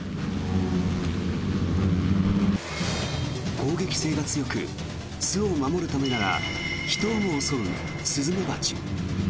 攻撃性が強く巣を守るためなら人をも襲うスズメバチ。